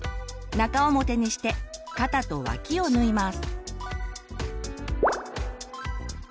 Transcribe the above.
中表にして肩と脇を縫います。